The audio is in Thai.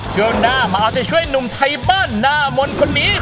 ช่วงหน้ามาเอาใจช่วยหนุ่มไทยบ้านหน้ามนต์คนนี้